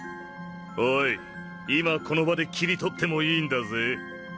おい今この場で切り取ってもいいんだぜ。